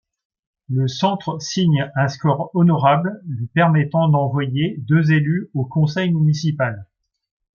Le centre signe un score honorable lui permettant d'envoyer deux élus au conseil municipal.